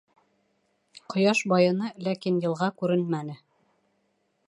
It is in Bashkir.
Ҡояш байыны, ләкин йылға күренмәне.